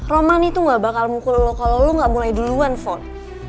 roman itu enggak bakal mukul lo kalau lo enggak mulai duluan fon